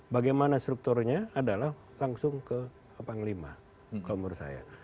bagaimana strukturnya adalah langsung ke panglima kalau menurut saya